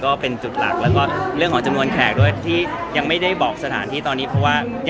จะเป็นอีกแบบนึงว่าจะมาใช้งูใช้เงินซึ่งมันเป็นสิ่งที่เราไม่ได้พูดเลย